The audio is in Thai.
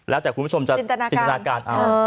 แล้วแต่คุณผู้ชมจะจินตนาการเอา